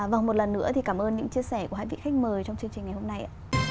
và một lần nữa thì cảm ơn những chia sẻ của hai vị khách mời trong chương trình ngày hôm nay